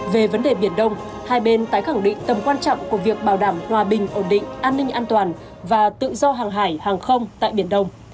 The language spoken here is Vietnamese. về vấn đề biển đông hai bên tái khẳng định tầm quan trọng của việc bảo đảm hòa bình ổn định an ninh an toàn và tự do hàng hải hàng không tại biển đông